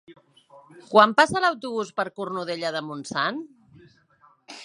Quan passa l'autobús per Cornudella de Montsant?